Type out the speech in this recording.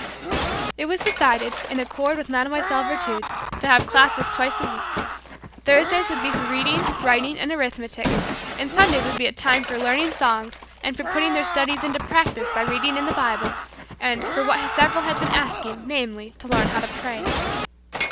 It was decided, in accord with Mlle. Virtud, to have classes twice a week. Thursdays would be for reading, writing and arithmetic, and Sundays would be a time for learning songs and for putting their studies into practice by reading in the Bible, and, for what several had been asking, namely, to learn how to pray.